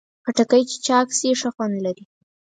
خټکی چې چاق شي، ښه خوند لري.